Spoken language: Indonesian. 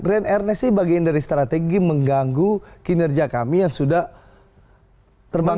ren ernesty bagian dari strategi mengganggu kinerja kami yang sudah terbang